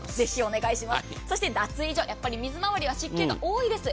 そして脱衣所、やっぱり水まわりは湿気が多いです。